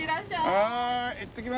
はい。